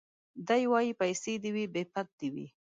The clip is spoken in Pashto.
دی وايي پيسې دي وي بې پت دي وي